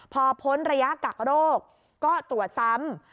พอพ้นระยะกักโรคก็ตรวจซ้ำ